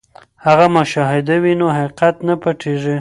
که مشاهده وي نو حقیقت نه پټیږي.